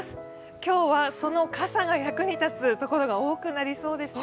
今日はその傘が役に立つところが多くなりそうですね。